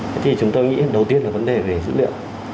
thế thì chúng tôi nghĩ đầu tiên là vấn đề về dữ liệu